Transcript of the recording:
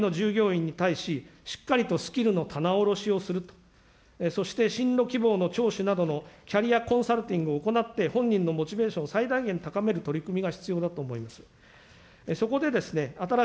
一人一人の従業員に対し、しっかりとスキルの棚卸しをする、そして、進路希望の聴取などのキャリアコンサルティングを行って、本人のモチベーションを最大限高める取り組みが必要だと思います。